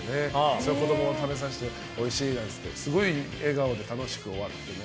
それを子供に食べさせておいしい！なんて言ってすごい笑顔で楽しく終わってね。